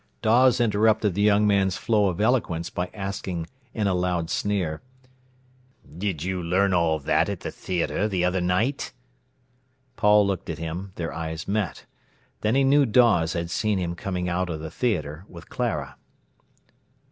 Dawes interrupted the young man's flow of eloquence by asking, in a loud sneer: "Did you learn all that at th' theatre th' other night?" Paul looked at him; their eyes met. Then he knew Dawes had seen him coming out of the theatre with Clara.